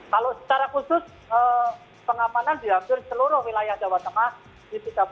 kalau secara khusus pengamanan di hampir seluruh wilayah jawa tengah